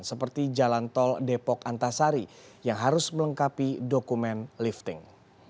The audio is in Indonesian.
seperti jalan tol depok antasari yang harus melengkapi dokumen lifting